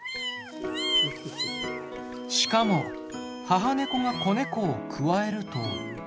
しかも母ネコが子ネコをくわえると。